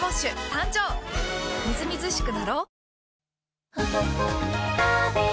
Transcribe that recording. みずみずしくなろう。